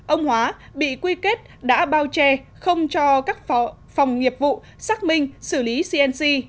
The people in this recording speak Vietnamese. ông hóa bị quy kết đã bao che không cho các phòng nghiệp vụ xác minh xử lý cnc